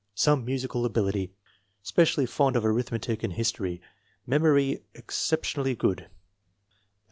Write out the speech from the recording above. Some musical ability. Specially fond of arithmetic and history. Memory exceptionally good.